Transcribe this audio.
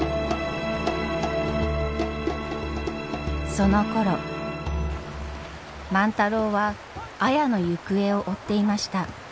そのころ万太郎は綾の行方を追っていました。